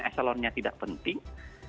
eselonnya tidak penting